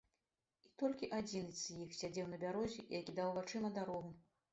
І толькі адзін з іх сядзеў на бярозе і акідаў вачыма дарогу.